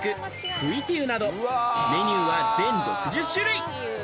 クィティウなどメニューは全６０種類。